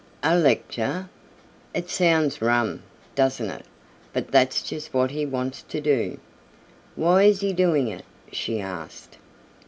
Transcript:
"A lecture?" "It sounds rum, doesn't it, but that's just what he wants to do." "Why is he doing it!" she asked.